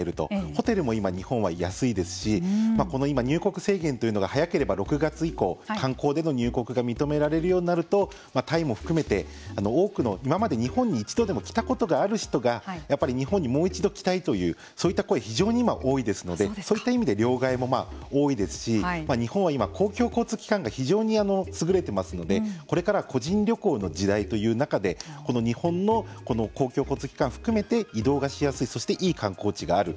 ホテルも今、日本は安いですし今、入国制限が早ければ６月以降観光での入国が認められるようになるとタイも含めて多くの、今まで日本に一度でも来たことがある人がやっぱり日本にもう一度来たいというそういった声が非常に今多いですのでそういった意味で両替も多いですし日本は今、公共交通機関が非常に優れていますのでこれから個人旅行の時代という中で日本の公共交通機関を含めて移動がしやすいそしていい観光地がある。